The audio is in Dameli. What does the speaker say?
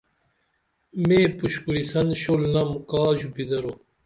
مِےپُش کُریسن شول نم کا ژُپی درو؟